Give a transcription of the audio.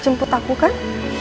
jemput aku kan